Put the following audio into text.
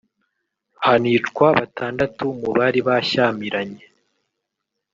hanicwa batandatu mu bari bashyamiranye